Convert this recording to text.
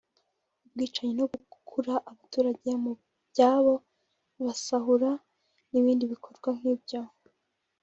ubwicanyi no gukura abaturage mu byabo babasahura n’ibindi bikorwa nk’ibyo